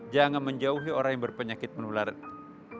jangan menjauhi orang yang berpenyakit menular itu